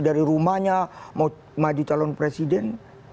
dari rumahnya mau maju calon presiden